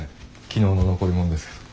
昨日の残りもんですけど。